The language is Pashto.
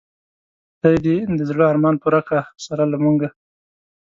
خدای دی د زړه ارمان پوره که سره له مونږه